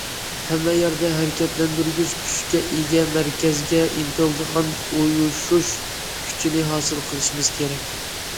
ھەممە يەردە ھەرىكەتلەندۈرگۈچ كۈچكە ئىگە، مەركەزگە ئىنتىلىدىغان ئۇيۇشۇش كۈچىنى ھاسىل قىلىشىمىز كېرەك.